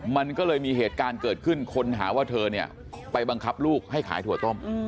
มันก็เลยมีเหตุการณ์เกิดขึ้นคนหาว่าเธอเนี่ยไปบังคับลูกให้ขายถั่วต้ม